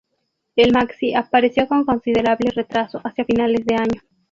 El maxi apareció con considerable retraso, hacia finales de año.